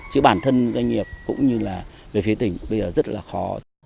chứ bản thân doanh nghiệp cũng như là về phía tỉnh bây giờ rất là khó